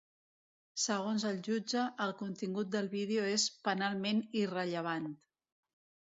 Segons el jutge, el contingut del vídeo és ‘penalment irrellevant’.